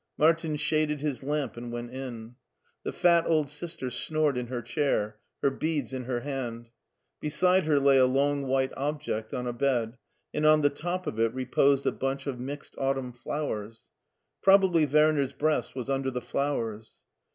Martin shaded his lamp and went in. The fat old Sister snored in her chair, her beads in her hand. Beside her lay a long white object on a bed, and on the top of it reposed a bunch of mixed autumn flowers. Probably Werner's breast was under the flowers.